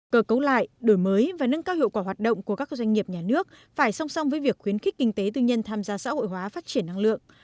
cơ cấu lại đổi mới và nâng cao hiệu quả hoạt động của các doanh nghiệp nhà nước phải song song với việc khuyến khích kinh tế tư nhân tham gia xã hội hóa phát triển năng lượng